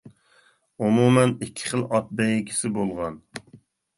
ئومۇمەن ئىككى خىل ئات بەيگىسى بولغان.